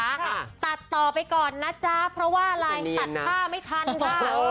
ค่ะตัดต่อไปก่อนนะจ๊ะเพราะว่าอะไรตัดผ้าไม่ทันค่ะ